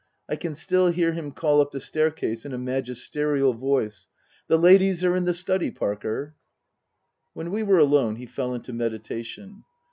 I can still hear him call up the staircase in a magisterial voice, " The ladies are in the study, Parker." When we were alone he fell into meditation.